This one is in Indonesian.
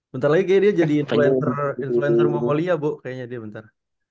bentar lagi kayak dia jadi influencer mongolia bu kayaknya dia bentar